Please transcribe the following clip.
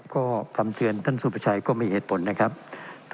ก็คำเตือนท่านสุประชัยก็มีเหตุผลนะครับ